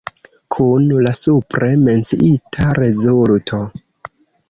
Kun la supre menciita rezulto.